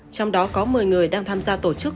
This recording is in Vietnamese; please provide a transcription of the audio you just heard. trong đó có một mươi người đang tham gia tổ chức